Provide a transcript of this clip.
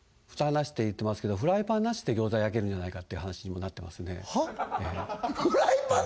フタなしって言ってますけどフライパンなしで餃子焼けるんじゃないかっていう話にもなってますねはっ？